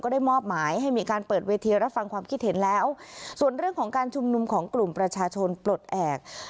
ได้มอบหมายให้มีการเปิดเวทีรับฟังความคิดเห็นแล้วส่วนเรื่องของการชุมนุมของกลุ่มประชาชนปลดแอบ